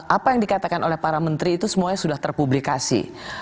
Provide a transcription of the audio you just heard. apa yang dikatakan oleh para menteri itu semuanya sudah terpublikasi